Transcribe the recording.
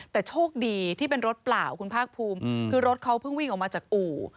แต่โชคดีที่เป็นรถเปล่าคุณภาคภูมิคือรถเขาเพิ่งวิ่งออกมาจากอู่